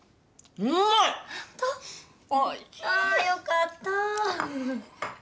よかった。